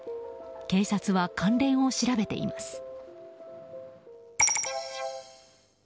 警察は関連を調べています。